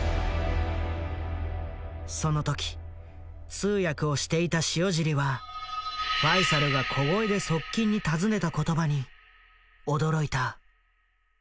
その時通訳をしていた塩尻はファイサルが小声で側近に尋ねた言葉に驚いた。